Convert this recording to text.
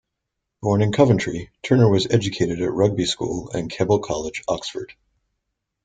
Born in Coventry, Turner was educated at Rugby School and Keble College, Oxford.